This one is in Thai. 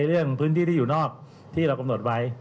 เรื่องพื้นที่ที่อยู่นอกที่เรากำหนดไว้